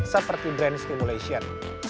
seperti brain stimulation